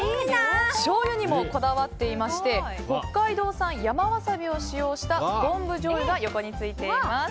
しょうゆにもこだわっていまして北海道産山ワサビを使った昆布じょうゆが横についています。